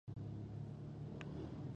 د امریکا د حکومت تړل: